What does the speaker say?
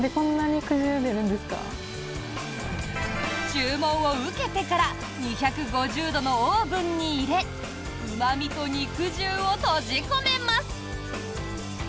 注文を受けてから２５０度のオーブンに入れうま味と肉汁を閉じ込めます。